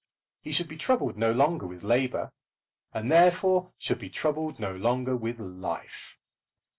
He should be troubled no longer with labour, and therefore should be troubled no longer with life.